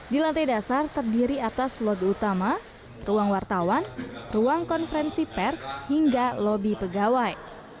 di lantai dasar terdiri atas logo utama ruang wartawan ruang konferensi pers hingga lobi pegawai